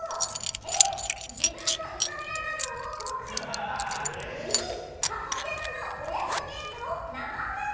Ａ、自分の胃カメラ画像を公開Ｂ、母親との親子げんかを生配信。